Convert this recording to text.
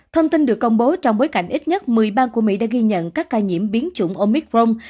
thông tin được công bố trong bối cảnh ít nhất một mươi bang của mỹ đã ghi nhận các ca nhiễm biến chủng omicron